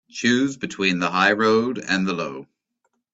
Choose between the high road and the low.